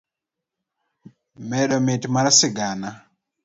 medo mit mar sigana.